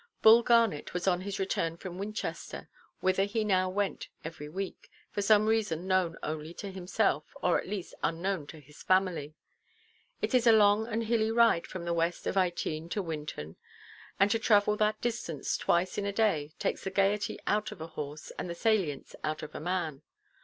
Bull Garnet was on his return from Winchester, whither he now went every week, for some reason known only to himself, or at least unknown to his family. It is a long and hilly ride from the west of Ytene to Winton, and to travel that distance twice in a day takes the gaiety out of a horse, and the salience out of a man.